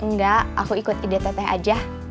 enggak aku ikut ide teteh aja